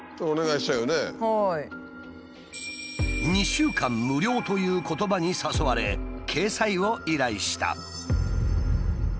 「２週間無料」という言葉に誘われ掲載を依頼した。